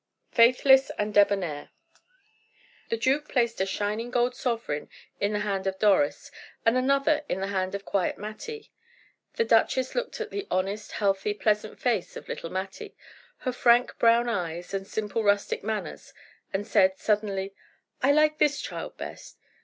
FAITHLESS AND DEBONAIR. The duke placed a shining gold sovereign in the hand of Doris, and another in the hand of the quiet Mattie. The duchess looked at the honest, healthy, pleasant face of little Mattie, her frank brown eyes, and simple, rustic manners, and said, suddenly: "I like this child best.